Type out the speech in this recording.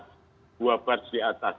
dua bar di atas